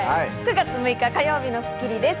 ９月６日火曜日の『スッキリ』です。